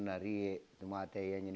lama lama itu dianggap sebagai basing